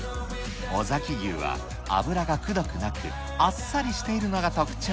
尾崎牛は、脂がくどくなく、あっさりしているのが特徴。